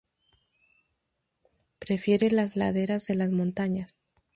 Prefiere las laderas de las montañas.